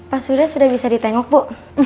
pas sudah sudah bisa ditengok bu